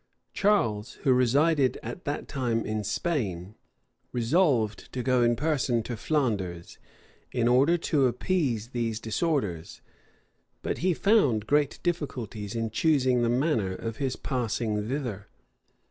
Charles, who resided at that time in Spain, resolved to go in person to Flanders, in order to appease those disorders; but he found great difficulties in choosing the manner of his passing thither.